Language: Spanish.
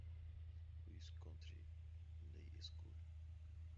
Louis Country Day School.